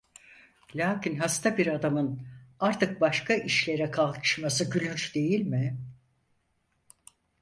Lâkin hasta bir adamın artık başka işlere kalkışması gülünç değil mi?